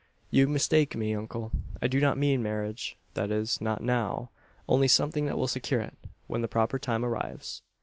"You mistake me, uncle. I do not mean marriage that is, not now. Only something that will secure it when the proper time arrives."